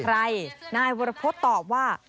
ใครนายวรพภวิ่งตอบว่า